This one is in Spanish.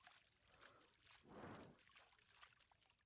Dependiendo de la persona, hay varias cosas que hacer en Forks.